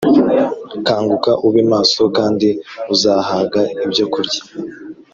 kanguka ube maso kandi uzahaga ibyokurya